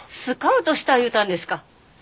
スカウトした言うたんですか？